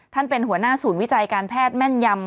เป็นหัวหน้าศูนย์วิจัยการแพทย์แม่นยำ